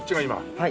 はい。